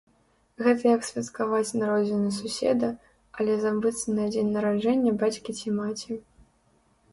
Гэта як святкаваць народзіны суседа, але забыцца на дзень нараджэння бацькі ці маці.